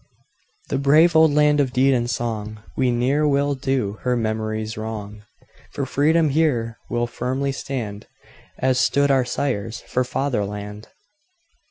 The brave old land of deed and song, We ne'er will do her memories wrong! For freedom here we'll firmly stand, As stood our sires for Fatherland!